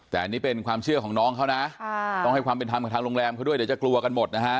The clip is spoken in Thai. ต้องให้ความเป็นทำกับทางโรงแรมเขาด้วยเดี๋ยวจะกลัวกันหมดนะคะ